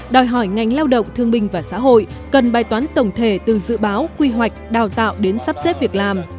đòi hỏi ngành lao động thương binh và xã hội cần bài toán tổng thể từ dự báo quy hoạch đào tạo đến sắp xếp việc làm